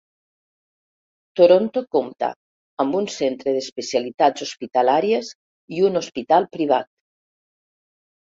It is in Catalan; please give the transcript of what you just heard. Toronto compta amb un centre d'especialitats hospitalàries i un hospital privat.